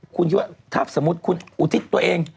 คุณคิดว่าถ้าสมมุติคุณอุทิศตัวเอง